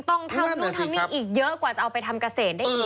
ต้องทำนู่นทำนี่อีกเยอะกว่าจะเอาไปทำเกษตรได้อีก